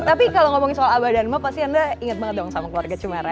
tapi kalau ngomongin soal abah dan ma pasti anda inget banget dong sama keluarga cumara